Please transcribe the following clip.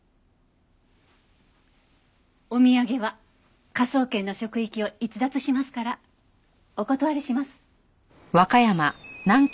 お土産は科捜研の職域を逸脱しますからお断りします。